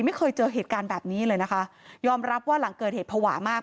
ไม่เคยเจอเหตุการณ์แบบนี้เลยนะคะยอมรับว่าหลังเกิดเหตุภาวะมาก